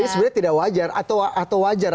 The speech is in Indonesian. jadi sebenarnya tidak wajar atau wajar